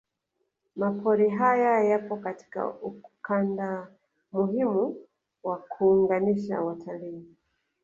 Mapori haya yapo katika ukanda muhimu wa kuunganisha watalii